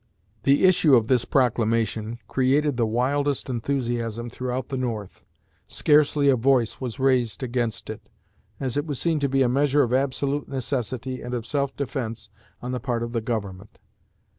The issue of this proclamation created the wildest enthusiasm throughout the North. Scarcely a voice was raised against it, as it was seen to be a measure of absolute necessity and of self defense on the part of the Government.